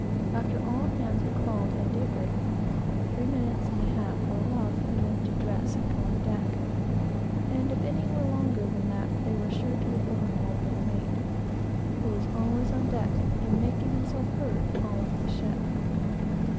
After all hands were called, at day break, three minutes and a half were allowed for every man to dress and come on deck, and if any were longer than that, they were sure to be overhauled by the mate, who was always on deck, and making himself heard all over the ship.